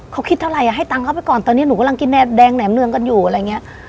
เขาคิดเท่าไรอ่ะให้ตังค์เข้าไปก่อนตอนนี้หนูกำลังกินแดงแหลมเนืองกันอยู่อะไรอย่างเงี้ย